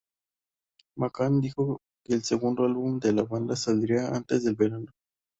McCann dijo que el segundo álbum de la banda saldría antes del verano.